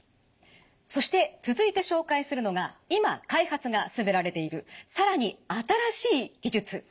そして続いて紹介するのが今開発が進められている更に新しい技術。